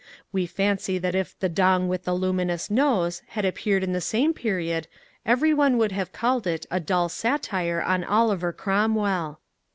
We fancy that if "The Dong with the Luminous Nose'* had appeared in the same period every one would have called it a dull satire on Oliver Cromwell.